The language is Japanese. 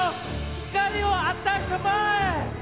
光を与えたまえ！